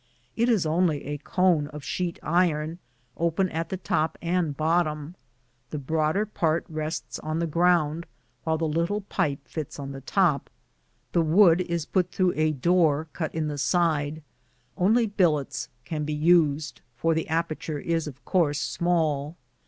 It is only a cone of sheet iron, open at the top and bot tom ; the broader part rests on the ground, while the little pipe fits on the top. The wood is put through a door cut in the side ; only billets can be used, for the aperture is of course small.